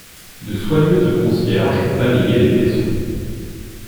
De soigneuses concierges balayaient les tessons.